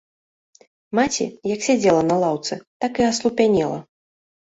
Маці, як сядзела на лаўцы, так і аслупянела.